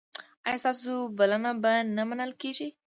ایا ستاسو بلنه به نه منل کیږي؟